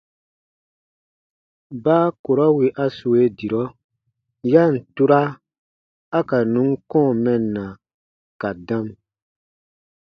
Baa kurɔ wì a sue dirɔ, ya ǹ tura a ka nùn kɔ̃ɔ mɛnna ka dam.